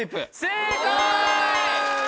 正解！